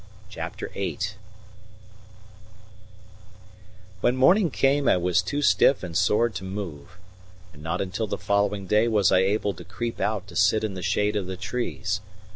CHAPTER VIII When morning came I was too stiff and sore to move, and not until the following day was I able to creep out to sit in the shade of the trees.